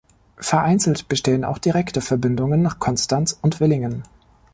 Vereinzelt bestehen auch direkte Verbindungen nach Konstanz und Villingen.